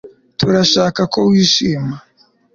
Turashaka ko wishima